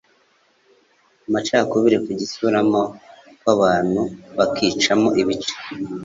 Amacakubiri ni Gusubiranamo kw'abantu bakicamo ibice